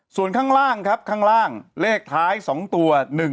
ส่วนข้างล่างครับข้างล่างเลขท้าย๒ตัว